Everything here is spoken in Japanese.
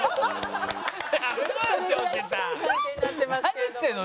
何してんの？